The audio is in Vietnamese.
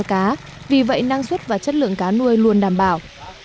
cá vì vậy năng suất và chất lượng cá nuôi luôn đảm bảo